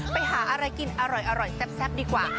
ไปหาอะไรกินอร่อยแซ่บดีกว่า